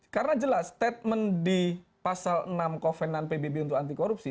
karena jelas statement di pasal enam covenant pbb untuk anti korupsi